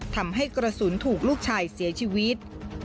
ทำให้กระสุนถูกลูกชายเสียชีวิต